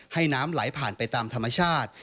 น้ำไหลผ่านไปตามธรรมชาติ